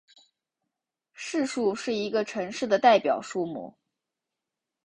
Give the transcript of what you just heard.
市树是一个城市的代表树木。